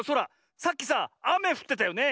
さっきさあめふってたよね。